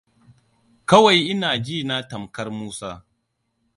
Kawai ina jina tamkar Musa.